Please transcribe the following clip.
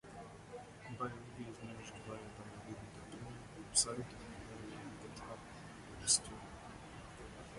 BioRuby is managed via the bioruby dot org website and BioRuby GitHub repository.